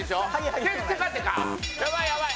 やばいやばい。